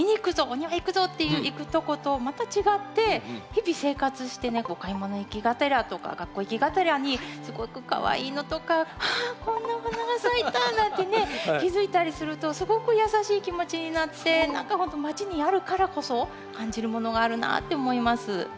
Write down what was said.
お庭行くぞ！」っていう行くとことまた違って日々生活してね買い物行きがてらとか学校行きがてらにすごくかわいいのとか「あこんなお花が咲いた」なんてね気付いたりするとすごく優しい気持ちになって何かほんとまちにあるからこそ感じるものがあるなって思います。